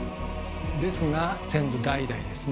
ですが先祖代々ですね